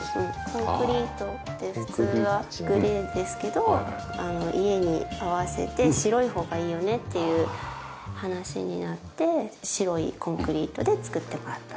コンクリートって普通はグレーですけど家に合わせて白い方がいいよねっていう話になって白いコンクリートで作ってもらったっていう。